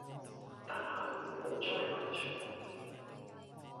得閒唔好再嚟坐